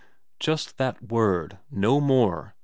Just that word. No more.